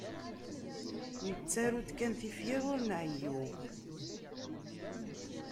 Nettaru-d kan tifyar ur nɛeyyu.